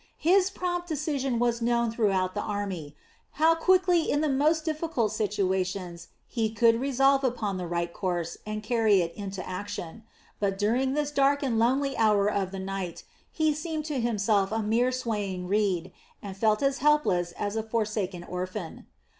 His prompt decision was known throughout the army, how quickly in the most difficult situations he could resolve upon the right course and carry it into action; but during this dark and lonely hour of the night he seemed to himself a mere swaying reed, and felt as helpless as a forsaken orphan.